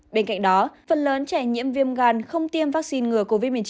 bên cạnh đó phần lớn trẻ nhiễm viêm gan không tiêm vaccine ngừa covid một mươi chín